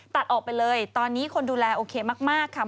ตัดออกไปเลยตอนนี้คนดูแลโอเคมากค่ะ